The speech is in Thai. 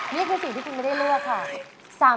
นี่คือสิ่งที่คุณไม่ได้เลือกค่ะ